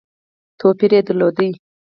توپیر درلود.